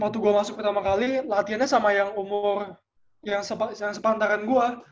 waktu gue masuk pertama kali latihannya sama yang umur yang sepantaran gue